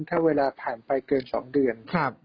ถ้าเวลาผ่านไปเกิน๒เดือน